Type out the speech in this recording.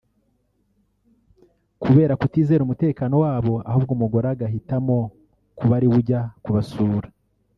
kubera kutizera umutekano wabo ahubwo umugore agahitamo kuba ari we ujya kubasura